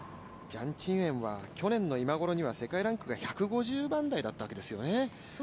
ジャン・チンウェンは去年の今ごろには世界ランクが１５０番台だったわけですよね。